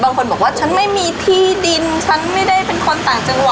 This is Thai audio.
บางคนบอกว่าฉันไม่มีที่ดินฉันไม่ได้เป็นคนต่างจังหวัด